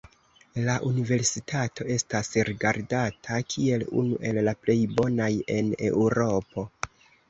La universitato estas rigardata kiel unu el la plej bonaj en Eŭropo.